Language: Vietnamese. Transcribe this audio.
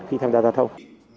khi tham gia giao thông